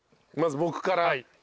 まず僕から。